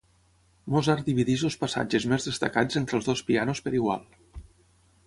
Mozart divideix els passatges més destacats entre els dos pianos per igual.